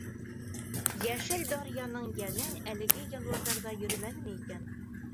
Йәшел даръяның йәне әлеге януарҙарҙа йөрөмәнеме икән?